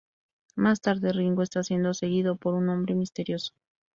Más tarde, Ringo está siendo seguido por un hombre misterioso.